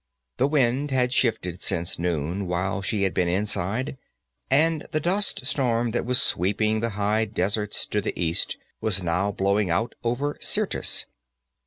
The wind had shifted since noon, while she had been inside, and the dust storm that was sweeping the high deserts to the east was now blowing out over Syrtis.